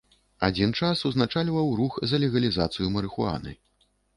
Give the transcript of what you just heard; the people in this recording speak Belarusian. Адзін час узначальваў рух за легалізацыю марыхуаны.